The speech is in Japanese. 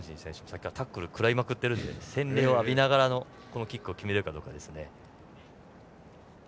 さっきからタックル食らいまくっているので洗礼を浴びながらのキックを決められるかどうかです。